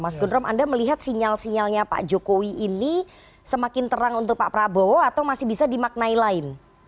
mas gundrom anda melihat sinyal sinyalnya pak jokowi ini semakin terang untuk pak prabowo atau masih bisa dimaknai lain